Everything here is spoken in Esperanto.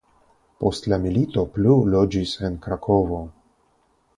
Post la milito plu loĝis en Krakovo.